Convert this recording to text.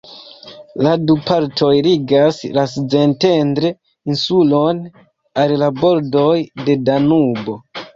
La du partoj ligas la Szentendre-insulon al la bordoj de Danubo.